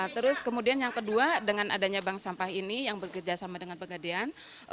terus kemudian yang kedua dengan adanya bank sampah ini yang bekerja sama dengan pegadean